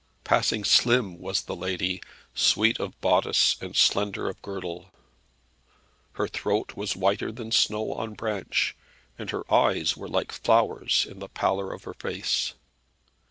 Passing slim was the lady, sweet of bodice and slender of girdle. Her throat was whiter than snow on branch, and her eyes were like flowers in the pallor of her face.